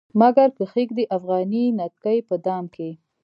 مګر کښيږدي افغاني نتکۍ په دام کې